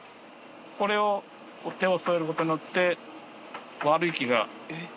これを手を沿えることによって悪い毛が。